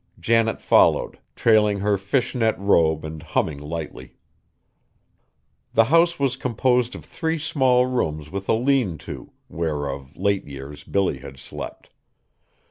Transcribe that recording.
Janet followed, trailing her fish net robe and humming lightly. The house was composed of three small rooms with a lean to, where of late years Billy had slept.